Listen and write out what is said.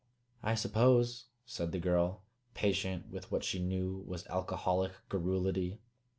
"I suppose," said the girl, patient with what she knew was alcoholic garrulity.